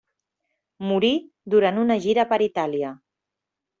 Morí durant una gira per Itàlia.